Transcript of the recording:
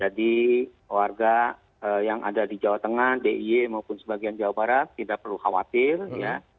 jadi warga yang ada di jawa tengah dia maupun sebagian jawa barat tidak perlu khawatir ya